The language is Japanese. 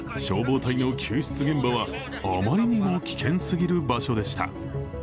消防隊の救出現場はあまりにも危険すぎる場所でした。